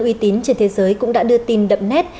uy tín trên thế giới cũng đã đưa tin đậm nét